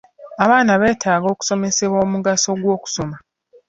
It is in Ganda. Abaana beetaaga okusomesebwa omugaso gw'okusoma.